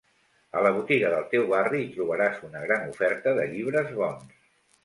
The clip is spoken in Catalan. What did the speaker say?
A la botiga del teu barri hi trobaràs una gran oferta de llibres bons.